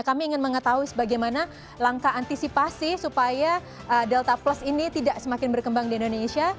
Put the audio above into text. kami ingin mengetahui bagaimana langkah antisipasi supaya delta plus ini tidak semakin berkembang di indonesia